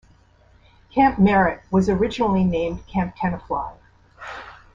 Camp Merritt was originally named Camp Tenafly.